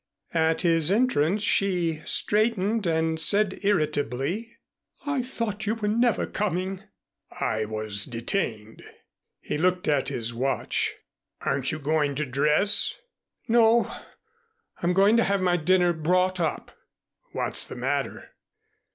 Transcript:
At his entrance she straightened and said irritably, "I thought you were never coming." "I was detained." He looked at his watch. "Aren't you going to dress?" "No. I'm going to have my dinner brought up." "What's the matter?"